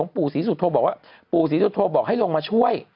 ปู่ศรีสุโทษบอกให้ลงมาช่วย